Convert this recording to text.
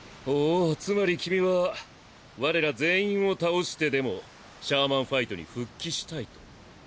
ほうつまり君は我ら全員を倒してでもシャーマンファイトに復帰したいと。